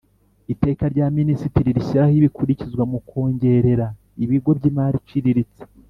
Iteka rya minisitiri rishyiraho ibikurikizwa mu kongerera ibigo by imari iciriritse